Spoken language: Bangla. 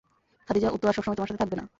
খাদিজা, ও তো আর সবসময় তোমার সাথে থাকবে না।